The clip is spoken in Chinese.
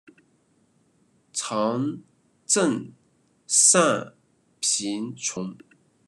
常赈赡贫穷。